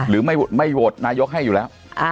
หรือไม่โหดไม่โหดนายกที่ให้อยู่แล้ว